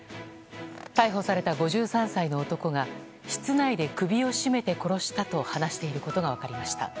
逮捕された５３歳の男が室内で首を絞めて殺したと話していることが分かりました。